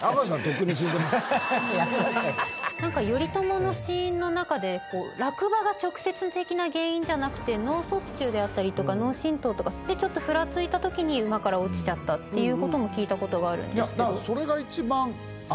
なんか頼朝の死因の中で落馬が直接的な原因じゃなくて脳卒中であったりとか脳震盪とかでちょっとふらついた時に馬から落ちちゃったという事も聞いた事があるんですけど。